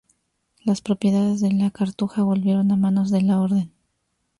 Las propiedades de la Cartuja volvieron a manos de la Orden.